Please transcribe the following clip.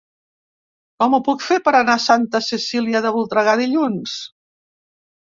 Com ho puc fer per anar a Santa Cecília de Voltregà dilluns?